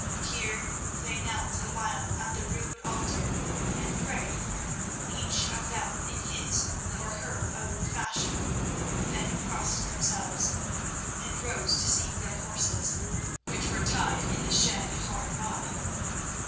Here they knelt a while at the rude altar and prayed, each of them in his or her own fashion, then crossed themselves, and rose to seek their horses, which were tied in the shed hard by.